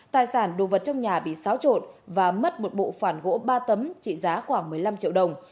tài sản đồ vật trong nhà bị xáo trộn và mất một bộ phản gỗ ba tấm trị giá khoảng một mươi năm triệu đồng